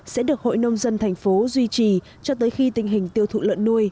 sẽ được hội nông dân tp hcm duy trì cho tới khi tình hình tiêu thụ lợn nuôi